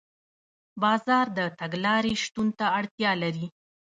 بازار د تګلارې شتون ته اړتیا لري.